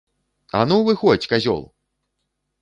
А ну выходзь, казёл!